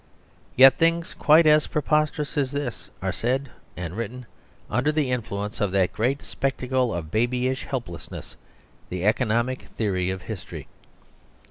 Yet things quite as preposterous as this are said and written under the influence of that great spectacle of babyish helplessness, the economic theory of history.